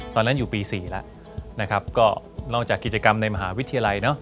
ตอนนั้นอยู่ปี๔แล้วนะครับก็นอกจากกิจกรรมในมหาวิทยาลัยเนอะ